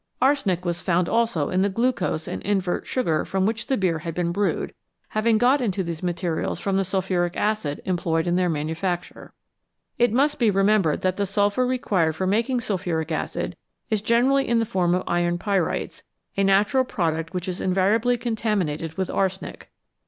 Arsenic was found also in the glucose and invert sugar from which the beer had been brewed, having got into these materials from the sulphuric acid employed in their manufacture. It must be remembered that the sulphur required for making sulphuric acid is generally in the form of iron pyrites, a natural product which is invariably contaminated with arsenic.